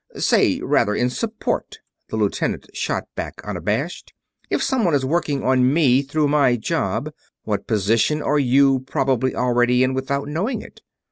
"Say, rather, in support," the lieutenant shot back, unabashed. "If some one is working on me through my job, what position are you probably already in, without knowing it?